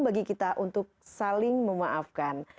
bagi kita untuk saling memaafkan